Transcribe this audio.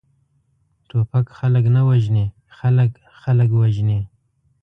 ټوپک خلک نه وژني، خلک، خلک وژني!